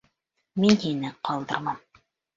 Мин һине ҡалдырмам.